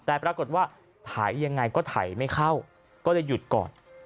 แต่ปรากฏว่าถ่ายยังไงก็ไถไม่เข้าก็เลยหยุดก่อน